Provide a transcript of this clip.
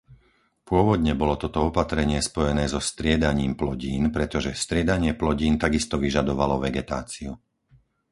Pôvodne bolo toto opatrenie spojené so striedaním plodín, pretože striedanie plodín takisto vyžadovalo vegetáciu.